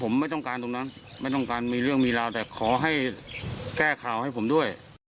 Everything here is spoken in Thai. ผมไม่ต้องการตรงนั้นไม่ต้องการมีเรื่องมีราวแต่ขอให้แก้ข่าวให้ผมด้วย